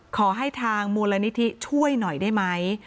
ขอให้ทางมูลนิธิช่วยหน่อยได้ไหม